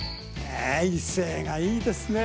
威勢がいいですねえ。